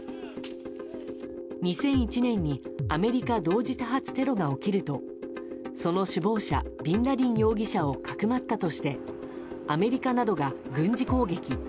２００１年にアメリカ同時多発テロが起きるとその首謀者ビンラディン容疑者をかくまったとしてアメリカなどが軍事攻撃。